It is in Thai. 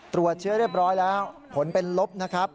ตรวจเชื้อเรียบร้อยแล้วผลเป็นลบนะครับ